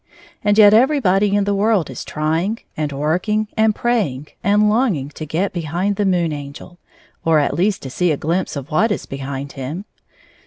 And yet everybody in the world is trying, and work ing, and praying, and longing to get behind the Moon Angel, or at least to see a ghmpse of what is behind him.